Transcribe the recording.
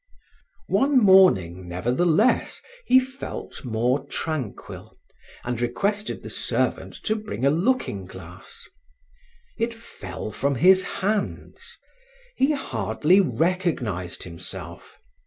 One morning, nevertheless, he felt more tranquil and requested the servant to bring a looking glass. It fell from his hands. He hardly recognized himself.